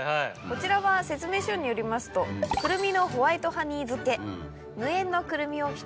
こちらは説明書によりますとクルミのホワイトハニー漬け。